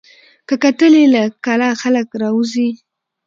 که کتل یې له کلا خلک راوزي